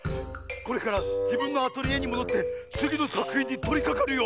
これからじぶんのアトリエにもどってつぎのさくひんにとりかかるよ！